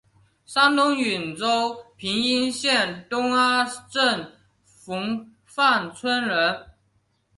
山东兖州平阴县东阿镇洪范村人。